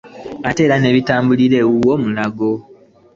Ate era ne bitambulamu wuuyo Mulago.